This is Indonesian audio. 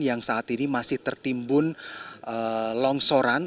yang saat ini masih tertimbun longsoran